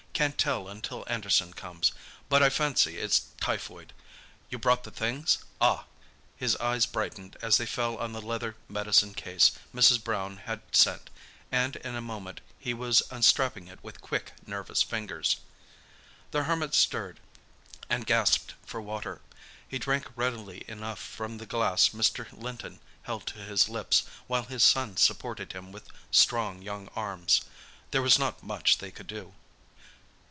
"Can't tell until Anderson comes. But I fancy it's typhoid. You brought the things? Ah!" His eyes brightened as they fell on the leather medicine case Mrs. Brown had sent, and in a moment he was unstrapping it with quick, nervous fingers.. The Hermit stirred, and gasped for water. He drank readily enough from the glass Mr. Linton held to his lips, while his son supported him with strong young arms. There was not much they could do.